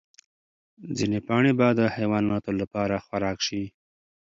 ځینې پاڼې به د حیواناتو لپاره خوراک شي.